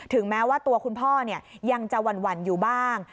แม้ว่าตัวคุณพ่อยังจะหวั่นอยู่บ้าง